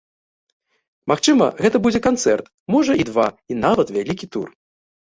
Магчыма, гэта будзе канцэрт, можа, і два, і нават вялікі тур.